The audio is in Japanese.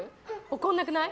怒らなくない？